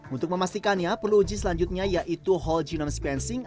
untuk memastikannya perlu uji selanjutnya yaitu whole genome sequencing